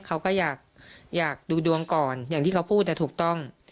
เขาก็อยากดูดวงก่อนอย่างที่เขาพูดถูกต้อง